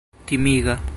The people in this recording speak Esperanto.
timiga